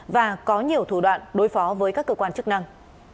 và có nhiều thủ đoạn đối phó với các cơ quan chức năng